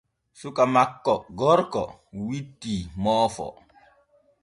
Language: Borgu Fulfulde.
Suka makko gorko witti moofo.